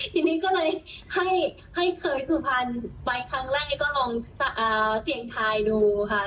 ทีนี้ก็เลยให้เคยสุพรรณไปครั้งแรกก็ลองเสี่ยงทายดูค่ะ